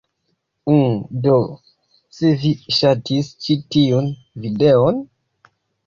Um... do, se vi ŝatis ĉi tiun... videon?